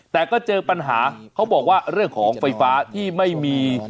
แต่ก็เจอปัญหาเขาบอกว่าเรื่องของไฟฟ้าที่ไม่มี